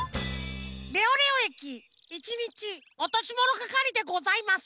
レオレオ駅１にちおとしものがかりでございます。